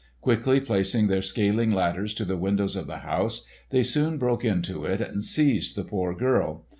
Quickly placing their scaling ladders to the windows of the house, they soon broke into it and seized the poor girl.